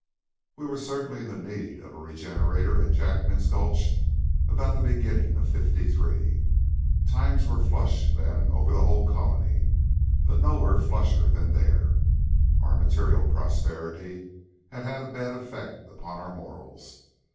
We were certainly in need of a regenerator at Jackman's Gulch about the beginning of '53. Times were flush then over the whole colony, but nowhere flusher than there. Our material prosperity had had a bad effect upon our morals.